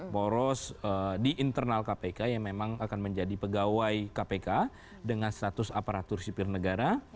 poros di internal kpk yang memang akan menjadi pegawai kpk dengan status aparatur sipil negara